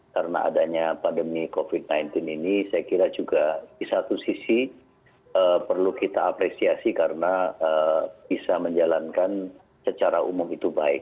karena adanya pandemi covid sembilan belas ini saya kira juga di satu sisi perlu kita apresiasi karena bisa menjalankan secara umum itu baik